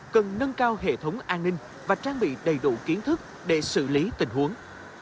cần nâng cao hệ thống an ninh và trang bị đầy đủ kiến thức để xử lý tình huống